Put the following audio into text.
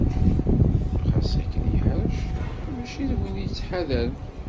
Ɣas akken yeḥrec, mačči d win yettḥadaren.